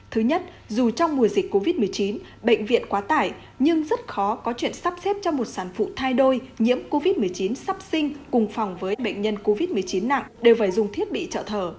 thứ nhất dù trong mùa dịch covid một mươi chín bệnh viện quá tải nhưng rất khó có chuyện sắp xếp cho một sản phụ thai đôi nhiễm covid một mươi chín sắp sinh cùng phòng với bệnh nhân covid một mươi chín nặng đều phải dùng thiết bị trợ thở